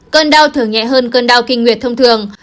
cơn đau thường nhẹ hơn cơn đau kinh nguyệt thông thường